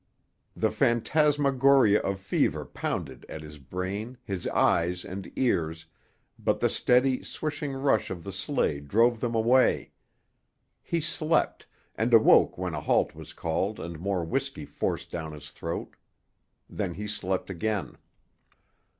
The phantasmagoria of fever pounded at his brain, his eyes and ears, but the steady, swishing rush of the sleigh drove them away. He slept, and awoke when a halt was called and more whisky forced down his throat. Then he slept again.